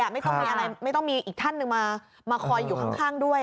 ไม่ต้องมีอะไรไม่ต้องมีอีกท่านหนึ่งมาคอยอยู่ข้างด้วย